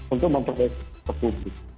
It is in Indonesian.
untuk memperbaiki keputusan